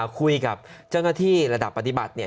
คุยกับเจ้าหน้าที่ระดับปฏิบัติเนี่ย